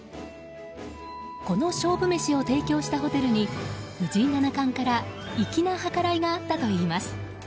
この勝負メシを提供したホテルに藤井七冠から粋な計らいがあったといいます。